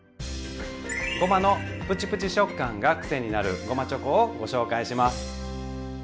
ごまのプチプチ食感がくせになるごまチョコをご紹介します。